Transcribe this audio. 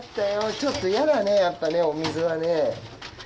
ちょっとヤダねやっぱねお水はね。